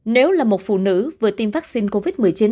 nếu là một phụ nữ vừa tiêm vắc xin covid một mươi chín